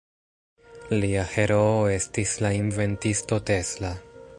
Lia heroo estis la inventisto Tesla.